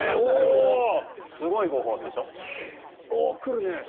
すごいご褒美でしょ？